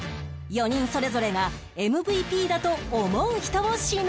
４人それぞれが ＭＶＰ だと思う人を指名！